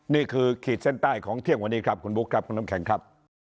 ขีดเส้นใต้ของเที่ยงวันนี้ครับคุณบุ๊คครับคุณน้ำแข็งครับ